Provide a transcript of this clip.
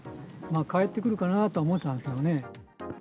かえってくるかなとは思ってたんですけどね。